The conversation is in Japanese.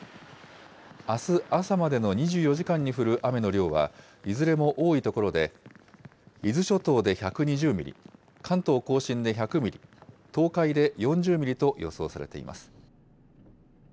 あす朝までの２４時間に降る雨の量は、いずれも多い所で、伊豆諸島で１２０ミリ、関東甲信で１００ミリ、東海で４０ミリと予想されています。